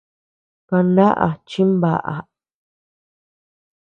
Kandaʼá chimbaʼa.